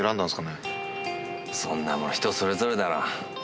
そんなもの人それぞれだろ。